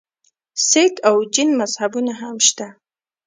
سک او جین مذهبونه هم شته.